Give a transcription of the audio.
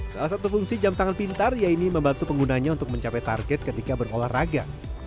salah satu fungsi jam tangan pintar yaitu membantu penggunanya untuk mencapai target ketika berolahraga